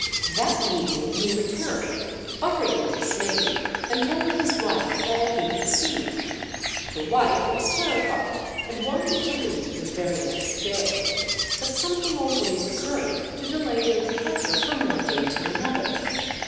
That evening he returned, utterly dismayed, and told his wife all he had seen. The wife was terrified, and wanted to leave the very next day. But something always occurred to delay their departure from one day to another.